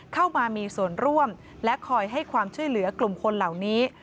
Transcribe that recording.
เข้ามามีส่วนร่วมและคอยให้ความช่วยเหลือกลุ่มคนเหล่านี้